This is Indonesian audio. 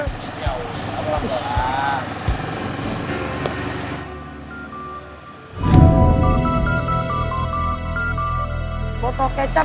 ya allah pelan pelan